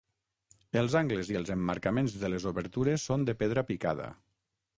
Els angles i els emmarcaments de les obertures són de pedra picada.